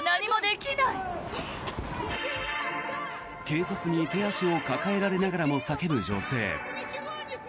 警察に手足を抱えられながらも叫ぶ女性。